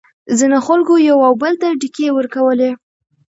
ځینو خلکو یو او بل ته ډیکې ورکولې.